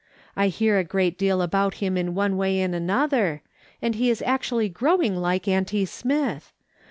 I hear a great deal about him in one way and another, and he is actually growing like auntie Smith